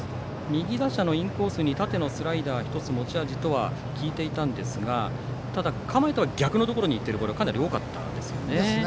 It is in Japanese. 右打者のインコースに縦のスライダーが持ち味とは聞いていたんですがただ、構えとは逆に行っているボールがかなり多かったですよね。